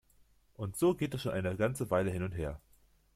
Und so geht es schon eine ganze Weile hin und her.